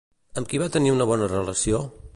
Amb qui tenir una bona relació?